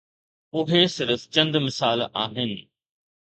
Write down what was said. اهي صرف چند مثال آهن.